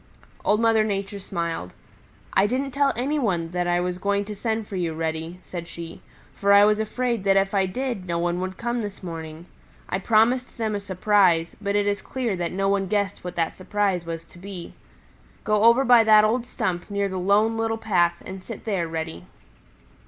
Old Mother Nature smiled. "I didn't tell any one that I was going to send for you, Reddy," said she, "for I was afraid that if I did no one would come this morning. I promised them a surprise, but it is clear that no one guessed what that surprise was to be. Go over by that old stump near the Lone Little Path and sit there, Reddy."